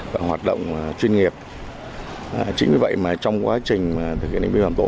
và hoạt động chuyên nghiệp chính vì vậy trong quá trình thực hiện đánh bạc phòng tổ